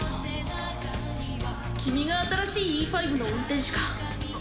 君が新しいＥ５の運転士か。